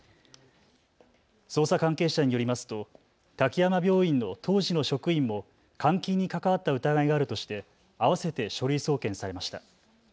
捜査関係者によりますと滝山病院の当時の職員も監禁に関わった疑いがあるとしてあわせて書類送検されました。